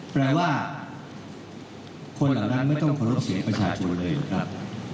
แปลว่าคนเหล่านั้นไม่ต้องเคารพเสียงประชาชนเลยนะครับ